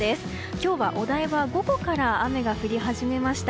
今日は、お台場は午後から雨が降り始めました。